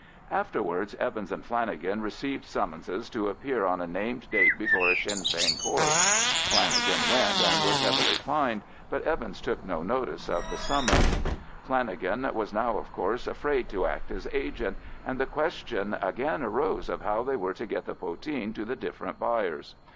Afterwards Evans and Flanagan received summonses to appear on a named date before a Sinn Fein Court. Flanagan went and was heavily fined, but Evans took no notice of the summons. Flanagan was now, of course, afraid to act as agent, and the question again arose of how they were to get the poteen to the different buyers.